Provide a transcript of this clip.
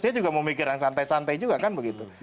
saya juga memikir yang santai santai juga kan begitu